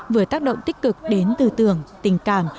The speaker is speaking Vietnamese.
vừa tác động tích cực đến tư tưởng tình cảm